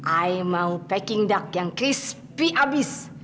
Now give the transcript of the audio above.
ayah mau peking duck yang crispy abis